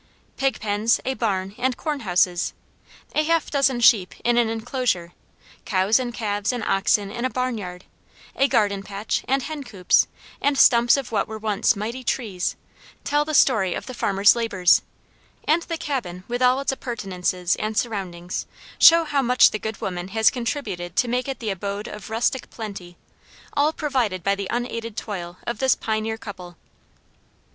Pig pens, a barn, and corn houses, a half dozen sheep in an enclosure, cows and calves and oxen in a barn yard, a garden patch, and hen coops, and stumps of what were once mighty trees, tell the story of the farmer's labors; and the cabin, with all its appurtenances and surroundings, show how much the good woman has contributed to make it the abode of rustic plenty, all provided by the unaided toil of this pioneer couple.